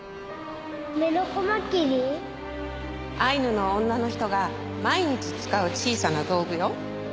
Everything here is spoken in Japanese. アイヌの女の人が毎日使う小さな道具よ。